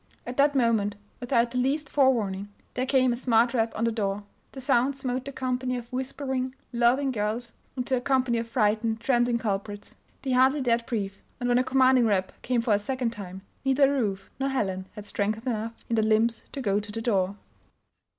At that moment, without the least forewarning, there came a smart rap on the door. The sound smote the company of whispering, laughing girls into a company of frightened, trembling culprits. They hardly dared breathe, and when the commanding rap came for a second time neither Ruth nor Helen had strength enough in their limbs to go to the door.